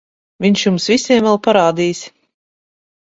Viņš jums visiem vēl parādīs...